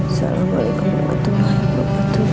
assalamualaikum warahmatullahi wabarakatuh